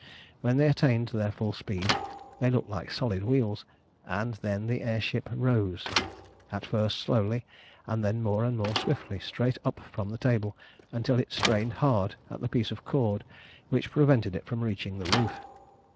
When they attained their full speed they looked like solid wheels, and then the air ship rose, at first slowly, and then more and more swiftly, straight up from the table, until it strained hard at the piece of cord which prevented it from reaching the roof.